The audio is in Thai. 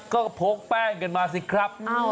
ก็พกแป้งกันมาสิครับ